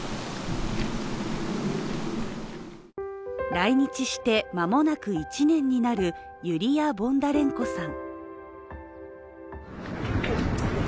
来日して間もなく１年になるユリヤ・ボンダレンコさん。